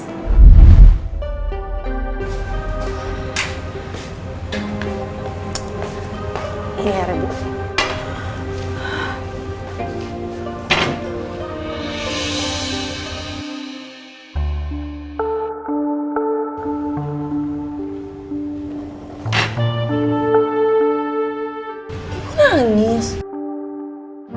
aku akan mencintai kamu